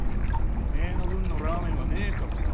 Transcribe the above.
てめぇの分のラーメンはねぇからな。